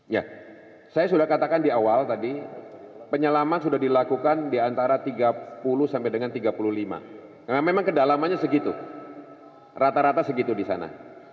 ya saya sudah katakan di awal tadi penyelaman sudah dilakukan di antara tiga puluh sampai dengan tiga puluh lima memang kedalamannya segitu rata rata segitu di sana